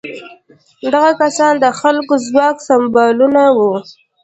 دغه کسان د خلکو د ځواک سمبولونه وو.